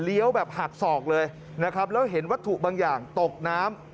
แบบหักศอกเลยนะครับแล้วเห็นวัตถุบางอย่างตกน้ำ